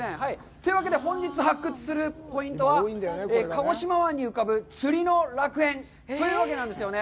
というわけで、本日発掘するポイントは、「鹿児島湾に浮かぶ釣りの楽園」というわけなんですよね。